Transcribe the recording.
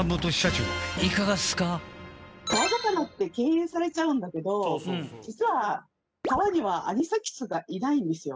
長い辰垢邉辰敬遠されちゃうんだけど造論遒砲アニサキスがいないんですよ。